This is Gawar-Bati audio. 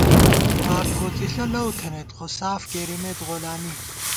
واک کوڅِݪہ لؤتھنئیت ، خوساف کېرَمېت غُلامی